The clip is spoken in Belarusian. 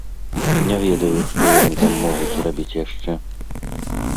Не ведаю, што яны там могуць зрабіць яшчэ.